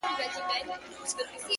نو زنده گي څه كوي ـ